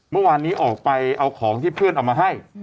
เมื่อวานนี้ออกไปเอาของที่เพื่อนเอามาให้